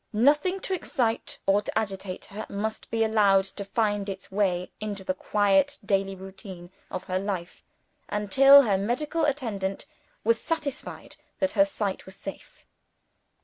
Nothing to excite or to agitate her, must be allowed to find its way into the quiet daily routine of her life, until her medical attendant was satisfied that her sight was safe.